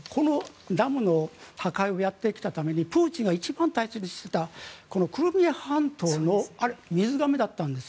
ダムの破壊をやってきたためにプーチンが一番大切にしてきたこのクリミア半島の水がめだったんです。